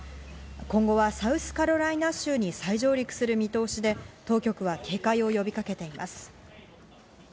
今後はサウスカロライナ州に再上陸する見通しで、当局は警戒を呼びかけています。